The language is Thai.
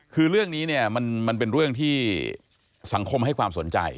คือเรื่องนี้เนี่ยมันเป็นเรื่องที่สังคมให้ความสนใจ